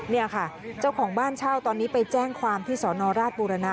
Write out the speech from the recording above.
นี่ค่ะเจ้าของบ้านเช่าตอนนี้ไปแจ้งความที่สอนอราชบุรณะ